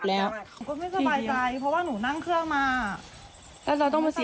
แล้วพี่คุณจะต่อแล้วหลักหลังไหมทำไมพี่ไม่ต่อว่าแอดมิน